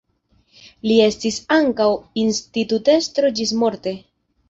Li estis ankaŭ institutestro ĝismorte.